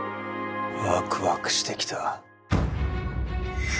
ワクワクしてきた。